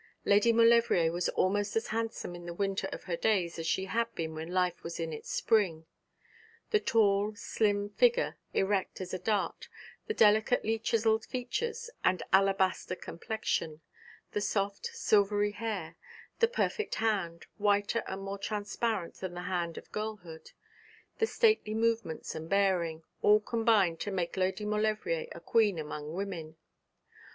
Lady Maulevrier was almost as handsome in the winter of her days as she had been when life was in its spring. The tall, slim figure, erect as a dart, the delicately chiselled features and alabaster complexion, the soft silvery hair, the perfect hand, whiter and more transparent than the hand of girlhood, the stately movements and bearing, all combined to make Lady Maulevrier a queen among women.